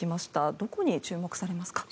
どこに注目されますか。